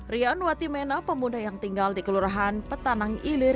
rian watimena pemuda yang tinggal di kelurahan petanang ilir